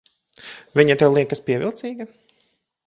Viņa tev liekas pievilcīga?